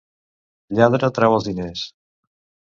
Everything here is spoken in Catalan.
Lladre, trau els diners!